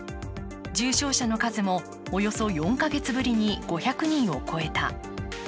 重症者の数もおよそ４カ月ぶりに５００人を超えた。